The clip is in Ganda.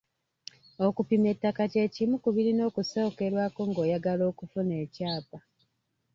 Okupima ettaka kye kimu ku birina okusookerwako ng’oyagala okufuna ekyapa.